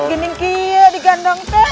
ini aku di gandong